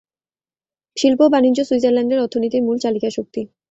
শিল্প ও বাণিজ্য সুইজারল্যান্ডের অর্থনীতির মূল চালিকাশক্তি।